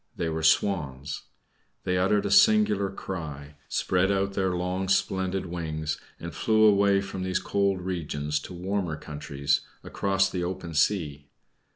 They were Swans. They uttered a singular cry, spread out their long splendid wings, and flew away from these cold regions to warmer countries, across the open sea.